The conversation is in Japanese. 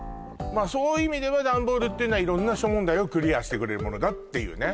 まあそういう意味ではダンボールっていうのは色んな諸問題をクリアしてくれるものだっていうね